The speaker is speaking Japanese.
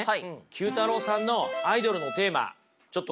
９太郎さんのアイドルのテーマちょっと